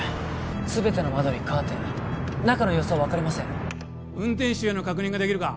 すべての窓にカーテン中の様子は分かりません運転手への確認ができるか？